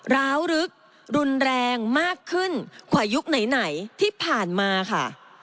ร้าวลึกรุนแรงมากขึ้นกว่ายุคไหนที่ผ่านมาค่ะ